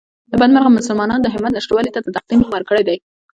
له بده مرغه مسلمانانو د همت نشتوالي ته د تقدیر نوم ورکړی دی